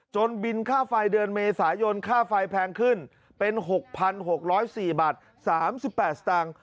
บินค่าไฟเดือนเมษายนค่าไฟแพงขึ้นเป็น๖๖๐๔บาท๓๘สตางค์